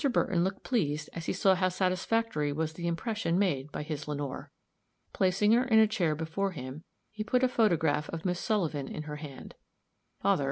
Burton looked pleased as he saw how satisfactory was the impression made by his Lenore. Placing her in a chair before him, he put a photograph of Miss Sullivan in her hand.